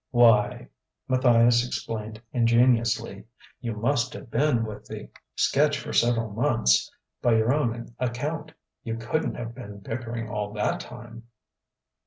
"Why," Matthias explained ingeniously, "you must have been with the sketch for several months, by your own account. You couldn't have been bickering all that time."